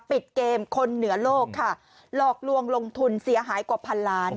ปิดเกมคนเหนือโลกค่ะหลอกลวงลงทุนเสียหายกว่าพันล้าน